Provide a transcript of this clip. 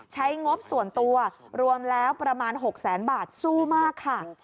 งบส่วนตัวรวมแล้วประมาณ๖แสนบาทสู้มากค่ะ